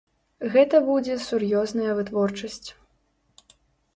Гэта будзе сур'ёзная вытворчасць.